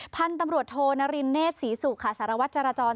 พันธุ์ตำรวจโทนารินเนธศรีสุค่ะสารวัตรจรจร